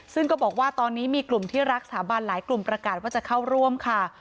ซึ่งก็บอกว่าตอนนี้มีกลุ่มที่รักสถาบันหลายกลุ่มประกาศว่าจะเข้าร่วมค่ะ